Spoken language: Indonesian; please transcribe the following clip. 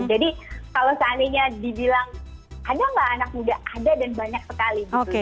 jadi kalau seandainya dibilang ada nggak anak muda ada dan banyak sekali gitu